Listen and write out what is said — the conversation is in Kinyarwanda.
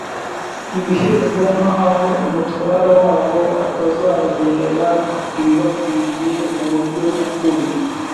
ibihembo nk’aho Umutware wabo atazabagenera ibibakwiriye mu buryo nyakuri.